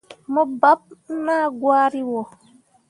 Mo baɓɓe naa gwari wo.